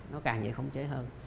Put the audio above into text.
nó càng dễ khống chế hơn